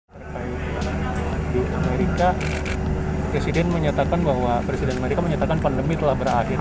terkait di amerika presiden menyatakan bahwa pandemi telah berakhir